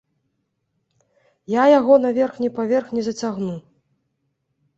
Я яго на верхні паверх не зацягну.